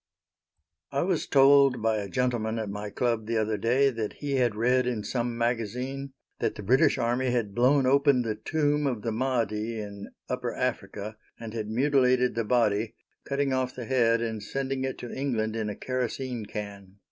I was told by a gentleman at my club the other day that he had read in some magazine that the British army had blown open the tomb of the Mahdi in upper Africa, and had mutilated the body, cutting off the head and sending it to England in a kerosene can.